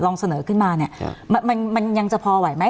เสนอขึ้นมาเนี่ยมันยังจะพอไหวไหม